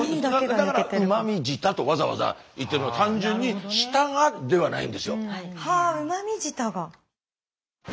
だから「うまみ舌」とわざわざ言ってるのは単純に「舌が」ではないんですよ。はあうまみ舌が。